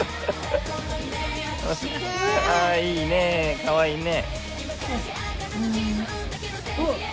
いいね、かわいいね。